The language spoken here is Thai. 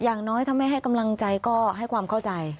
อย่างน้อยถ้าไม่ให้กำลังใจก็ให้ความเข้าใจ